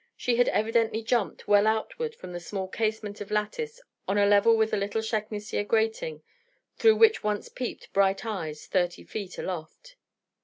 She had evidently jumped, well outward, from a small casement of lattice on a level with the little shaknisier grating, through which once peeped bright eyes, thirty feet aloft.